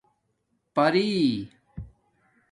پری